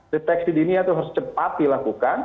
deteksi dinia itu harus cepat dilakukan